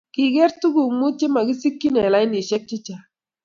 Kiger tuguk Mut chemasikchi eng lainishek chechang